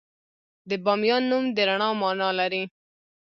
د بامیان نوم د رڼا مانا لري